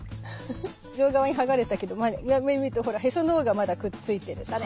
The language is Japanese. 両側に剥がれたけど見るとへその緒がまだくっついてるタネ。